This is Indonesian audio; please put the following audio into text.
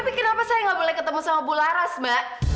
tapi kenapa saya gak boleh ketemu sama bularas mbak